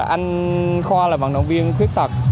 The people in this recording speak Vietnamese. anh khoa là vận động viên khuyết tật